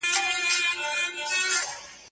اوس نسيم راوړي خبر د تورو ورځو